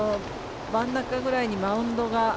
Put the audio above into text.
真ん中ぐらいにマウンドが。